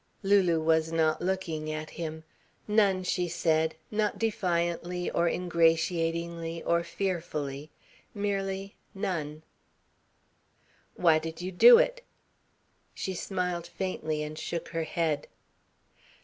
Lulu was not looking at him. "None," she said not defiantly, or ingratiatingly, or fearfully. Merely, "None." "Why did you do it?" She smiled faintly and shook her head.